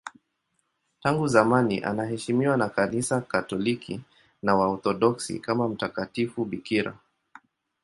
Tangu zamani anaheshimiwa na Kanisa Katoliki na Waorthodoksi kama mtakatifu bikira.